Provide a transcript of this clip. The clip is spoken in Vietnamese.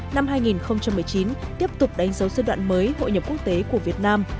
năm hai nghìn một mươi chín tiếp tục đánh dấu giai đoạn mới hội nhập quốc tế của việt nam